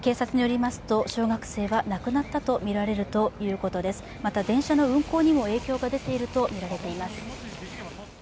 また、電車の運行にも影響が出ているとみられています。